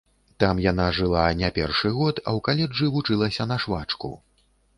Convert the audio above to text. Там яна жыла не першы год, а ў каледжы вучылася на швачку.